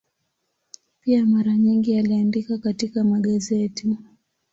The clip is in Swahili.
Pia mara nyingi aliandika katika magazeti.